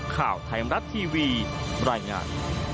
ข่าวไทม์รัดทีวีบรรยายงาน